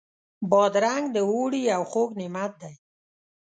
بادرنګ د اوړي یو خوږ نعمت دی.